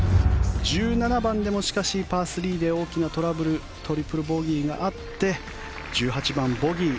１７番でもしかしパー３で大きなトラブルトリプルボギーがあって１８番、ボギー。